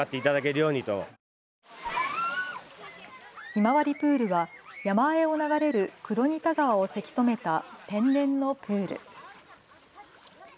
ひまわりプールは山あいを流れる黒仁田川をせき止めた天然のプール。